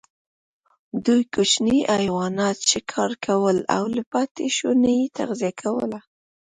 دوی کوچني حیوانات ښکار کول او له پاتېشونو یې تغذیه کوله.